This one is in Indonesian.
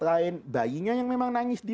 lain bayinya yang memang nangis di